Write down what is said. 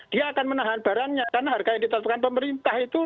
dia akan menahan barangnya karena harga yang ditetapkan pemerintah itu